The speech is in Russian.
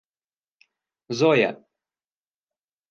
Зоя